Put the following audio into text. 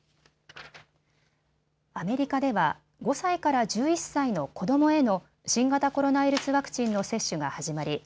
アメリカでは５歳から１１歳の子どもへの新型コロナウイルスワクチンの接種が始まり